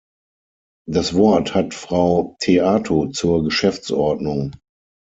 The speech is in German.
Das Wort hat Frau Theato zur Geschäftsordnung.